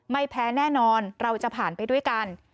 ไม่แพ้แน่นอนเราจะผ่านไปด้วยกัน